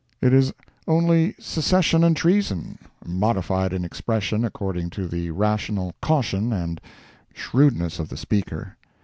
It is only Secession and Treason, modified in expression according to the rational caution and shrewdness of the speaker.